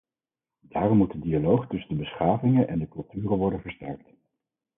Daarom moet de dialoog tussen de beschavingen en de culturen worden versterkt.